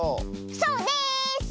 そうです！